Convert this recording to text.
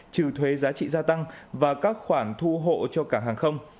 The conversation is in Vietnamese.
trừ thuế giá trị gia tăng và các khoản thu hộ cho cảng hàng không